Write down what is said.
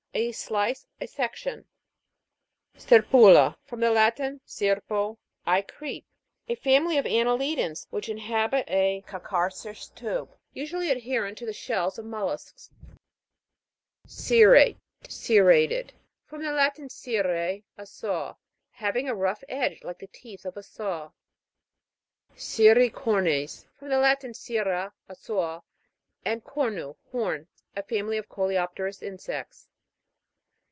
A slice, a section. SER'PULA. From the Latin, serpo, 1 creep. A family of anne'lidans, which inhabit a calcareous tube, usually adherent to the shells of mollusks. SER'RATE. ) From the Latin, serro, SER'RATEO. a saw. Having a rough edge like the teeth of a saw. SERRICOR'NES. From the Latin, serr<7, a saw, and cornu, horn. A family of coleopterous insects.